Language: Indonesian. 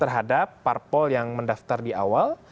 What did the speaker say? terhadap parpol yang mendaftar di awal